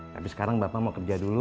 tapi sekarang bapak mau kerja dulu